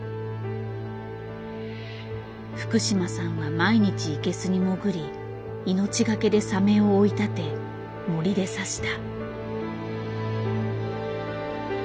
福島さんは毎日イケスに潜り命懸けでサメを追い立て銛で刺した。